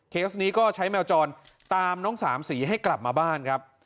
นี้ก็ใช้แมวจรตามน้องสามสีให้กลับมาบ้านครับ